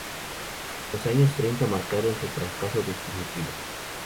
Los años treinta marcaron su fracaso definitivo.